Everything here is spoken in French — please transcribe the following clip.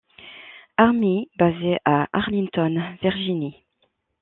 Army basé à Arlington, Virginie.